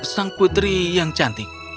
sang putri yang cantik